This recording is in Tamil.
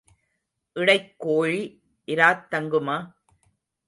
இடைக் கோழி இராத் தங்குமா?